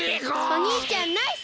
おにいちゃんナイス！